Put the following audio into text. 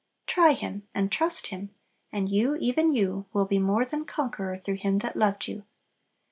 Try Him, and trust Him; and you, even you, will be "more than conqueror through Him that loved you."